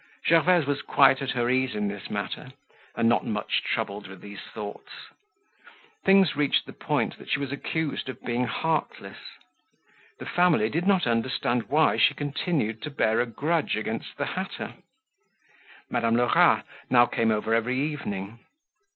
Gervaise was quite at her ease in this matter, and not much troubled with these thoughts. Things reached the point that she was accused of being heartless. The family did not understand why she continued to bear a grudge against the hatter. Madame Lerat now came over every evening.